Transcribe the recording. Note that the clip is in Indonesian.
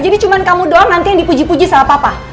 jadi cuma kamu doang nanti yang dipuji puji salah papa